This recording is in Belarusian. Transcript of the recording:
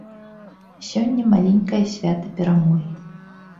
Сёння маленькае свята перамогі.